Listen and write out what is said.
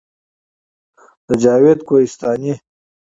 د جاوید کوهستاني